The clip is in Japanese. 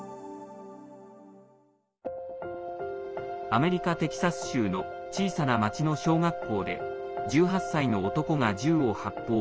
アメリカ・テキサス州の小さな町の小学校で１８歳の男が銃を発砲。